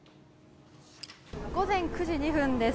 午前９時２分です。